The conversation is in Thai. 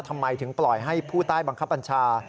ทำไมถึงปล่อยให้ผู้ใต้บังคับบัญชา